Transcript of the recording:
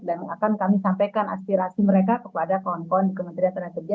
dan akan kami sampaikan aspirasi mereka kepada kawan kawan di kementerian tenaga kerja